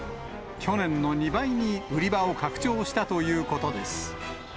去年の２倍に売り場を拡張したということです。